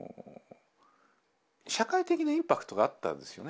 社会的なインパクトがあったんですよね。